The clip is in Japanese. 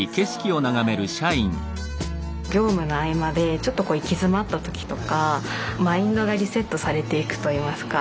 業務の合間でちょっとこう行き詰まった時とかマインドがリセットされていくといいますか。